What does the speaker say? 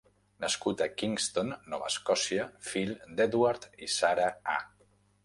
Nascut a Kingston, Nova Escòcia, fill d'Edward i Sarah A.